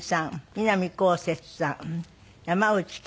南こうせつさん山内惠介さん